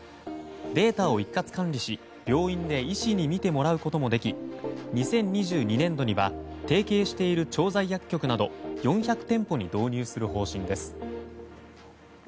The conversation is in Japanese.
データを一括管理し、病院で医師に見てもらうこともでき２０２２年度には提携している調剤薬局など４００店舗に導入する方針です。